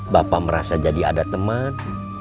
bapak merasa jadi ada teman